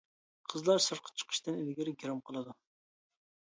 قىزلار سىرتقا چىقىشتىن ئىلگىرى گىرىم قىلىدۇ.